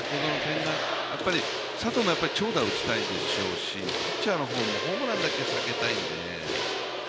佐藤もやっぱり長打を打ちたいでしょうしピッチャーの方もホームランだけは避けたいので。